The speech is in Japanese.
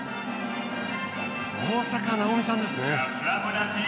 大坂なおみさんですね。